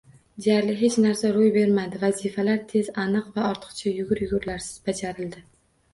Deyarli hech narsa ro`y bermadi, vazifalar tez, aniq va ortiqcha yugur-yugurlarsiz bajarildi